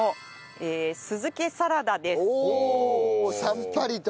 おおさっぱりと。